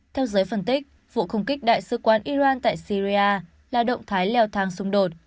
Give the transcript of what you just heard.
theo giới phân tích vụ không kích đại sứ quán iran tại syria là động thái leo thang xung đột